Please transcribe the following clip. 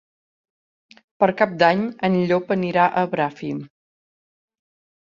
Per Cap d'Any en Llop anirà a Bràfim.